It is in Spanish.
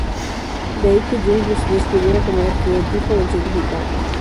De ahí que Jung lo describiera como el "arquetipo del significado".